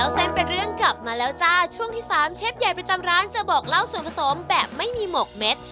เส้นเป็นเรื่องกลับมาแล้วจ้าช่วงที่สามเชฟใหญ่ประจำร้านจะบอกเล่าส่วนผสมแบบไม่มีหมกเม็ด